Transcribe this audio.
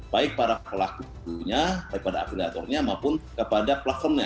baik para pelakunya para afiliatornya maupun kepada platformnya